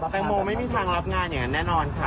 แตงโมไม่มีทางรับงานอย่างนั้นแน่นอนค่ะ